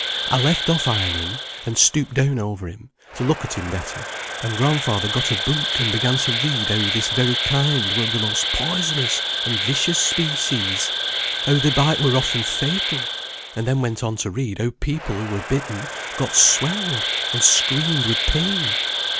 I left off ironing, and stooped down over him, to look at him better, and grandfather got a book, and began to read how this very kind were the most poisonous and vicious species, how their bite were often fatal, and then went on to read how people who were bitten got swelled, and screamed with pain.